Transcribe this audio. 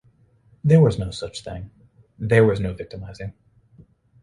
There was no such thing: there was no victimizing.